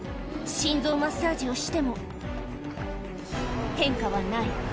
心臓マッサージをしても、変化はない。